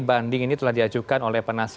banding ini telah diajukan oleh penasihat